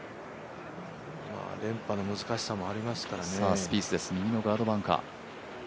まあ連覇の難しさもありますからね。